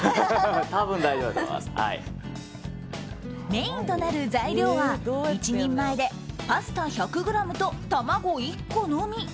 メインとなる材料は、１人前でパスタ１００ｇと卵１個のみ。